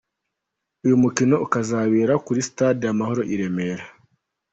Uyu mukino ukazabera kuri Stade Amahoro i Remera.